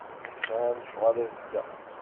Sɛiɣ lecɣal azekka.